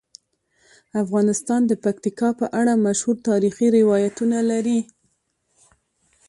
افغانستان د پکتیکا په اړه مشهور تاریخی روایتونه لري.